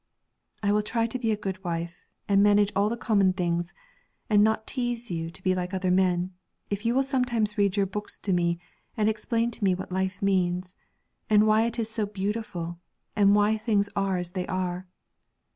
'I will try to be a good wife, and manage all the common things, and not tease you to be like other men, if you will sometimes read your books to me and explain to me what life means, and why it is so beautiful, and why things are as they are.'